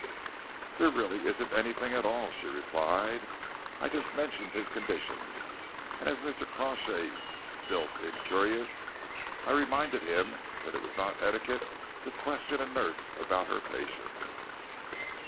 "There really isn't anything at all," she replied. "I just mentioned his condition, and as Mr. Crawshay still seemed curious, I reminded him that it was not etiquette to question a nurse about her patients."